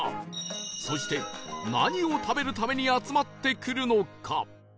そして何を食べるために集まってくるのか？